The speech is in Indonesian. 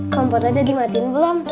kompot aja dimatiin belum